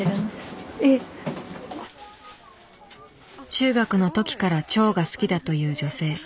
中学のときからチョウが好きだという女性。